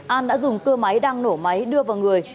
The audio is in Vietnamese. an đã dùng cơ máy đăng nổ máy đưa vào người